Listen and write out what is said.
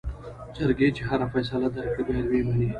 جرګې چې هر څه فيصله درکړې بايد وې منې.